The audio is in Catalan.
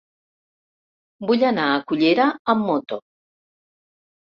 Vull anar a Cullera amb moto.